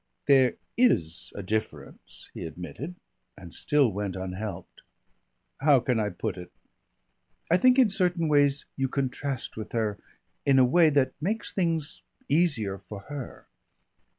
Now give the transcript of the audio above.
"There is a difference," he admitted, and still went unhelped. "How can I put it? I think in certain ways you contrast with her, in a way that makes things easier for her.